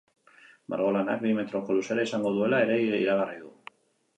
Margolanak bi metroko luzera izango duela ere iragarri du.